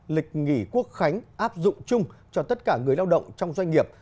lịch nghỉ quốc khánh áp dụng chung cho tất cả người lao động trong doanh nghiệp